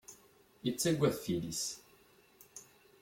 Ittagad tili-s.